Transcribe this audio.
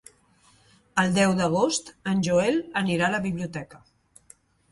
El deu d'agost en Joel anirà a la biblioteca.